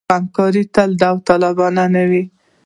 خو همکاري تل داوطلبانه نه وه.